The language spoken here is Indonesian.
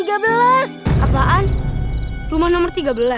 apaan rumah nomor tiga belas